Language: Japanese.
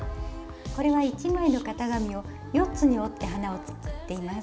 これは１枚の型紙を４つに折って花を作っています。